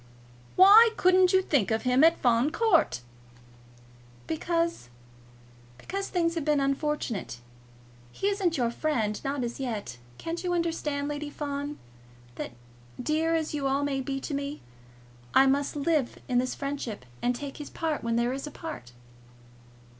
"Why couldn't you think of him at Fawn Court?" "Because because things have been unfortunate. He isn't your friend, not as yet. Can't you understand, Lady Fawn, that, dear as you all must be to me, I must live in his friendships, and take his part when there is a part?"